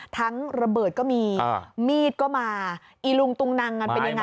ทั้งระเบิดก็มีมีดก็มาอีลุงตุงนังกันเป็นยังไง